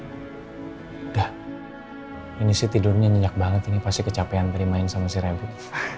udah ini sih tidurnya nyenyak banget ini pasti kecapean dari main sama si rambut